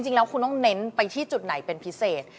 จริงแล้วคุณต้องเน้นไปที่จุดไหนเป็นพิเศษ